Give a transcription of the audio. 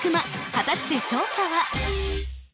果たして勝者は？